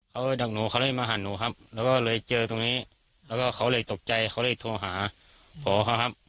เขาดักหนูเขาเลยมาหันหนูครับแล้วก็เลยเจอตรงนี้แล้วก็เขาเลยตกใจเขาเลยโทรหาพ่อเขาครับ